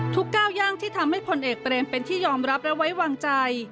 ก้าวย่างที่ทำให้พลเอกเบรมเป็นที่ยอมรับและไว้วางใจ